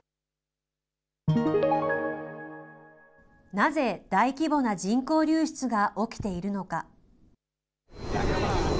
なぜ大規模な人口流出が起きているのか。